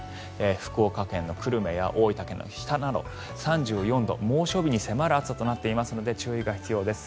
福岡県の久留米や大分県の日田など３４度、猛暑日に迫る暑さとなっていますので注意が必要です。